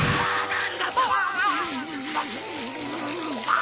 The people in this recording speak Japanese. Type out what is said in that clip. あ！